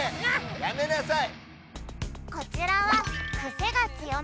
やめなさい！